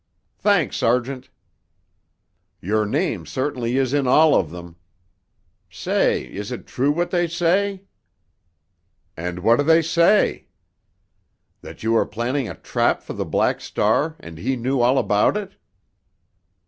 "Thanks, sergeant." "Your name certainly is in all of them! Say, is it true what they say?" "And what do they say?" "That you were planning a trap for the Black Star and he knew all about it?"